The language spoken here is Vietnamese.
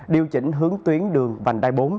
điều chỉnh hướng tuyến đường vành đai bốn